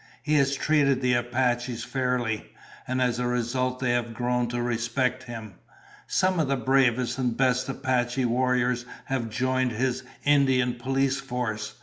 He has treated the Apaches fairly, and as a result they have grown to respect him. Some of the bravest and best Apache warriors have joined his Indian police force.